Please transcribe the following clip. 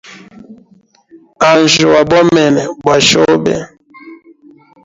Anjya, wa bomene bwa shobe.